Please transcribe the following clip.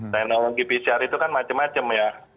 teknologi pcr itu kan macam macam ya